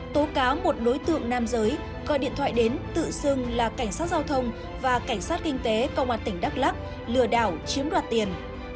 tố cáo một đối tượng nam giới gọi điện thoại đến tự xưng là cảnh sát giao thông và cảnh sát kinh tế công an tỉnh đắk lắc lừa đảo chiếm đoạt tiền